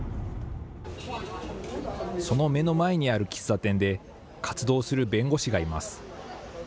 その目の前にある喫茶店で活動する弁護士がいます。